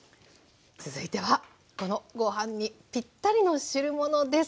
続いてはこのご飯にぴったりの汁物です。